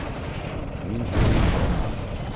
Мин һине һағынам